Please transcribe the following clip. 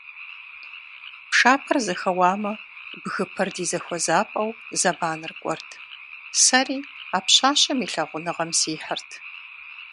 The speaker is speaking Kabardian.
Пшапэр зэхэуамэ, бгыпэр ди зэхуэзапӀэу зэманыр кӀуэрт, сэри а пщащэм и лъагъуныгъэм сихьырт.